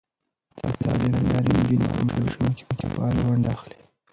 د تعلیم له لارې، نجونې په محلي شوراګانو کې فعاله ونډه اخلي.